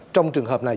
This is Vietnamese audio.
trong trường hợp này